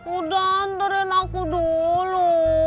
udah antarin aku dulu